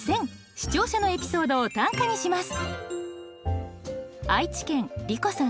視聴者のエピソードを短歌にします。